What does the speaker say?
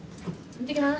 いってきます。